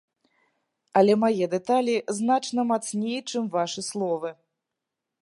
Але мае дэталі значна мацней, чым вашы словы.